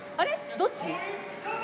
どっち？